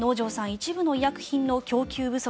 一部の医薬品の供給不足